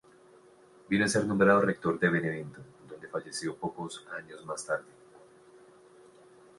Vino a ser nombrado rector de Benevento, donde falleció pocos años más tarde.